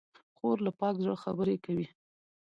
خور له پاک زړه خبرې کوي.